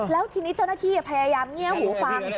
แล้วทีนี้เจ้าหน้าที่พยายามเงียบหูฟัง